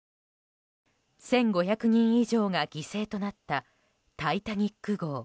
１５００人以上が犠牲となった「タイタニック号」。